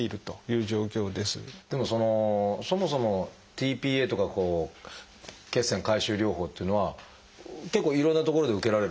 でもそのそもそもｔ−ＰＡとか血栓回収療法っていうのは結構いろんな所で受けられるものですか？